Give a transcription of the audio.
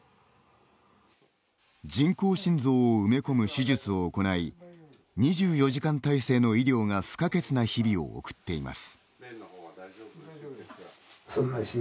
人工心臓を埋め込む手術を行い２４時間体制の医療が不可欠な日々を送っています。